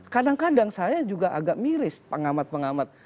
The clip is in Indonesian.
kadang kadang saya juga agak miris pengamat pengamat